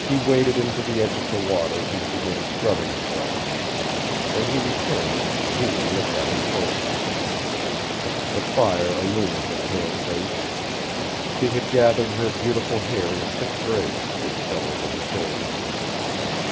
He waded into the edge of the water and began scrubbing himself. When he returned, Jeanne looked at him closely. The fire illumined her pale face. She had gathered her beautiful hair in a thick braid, which fell over her shoulder.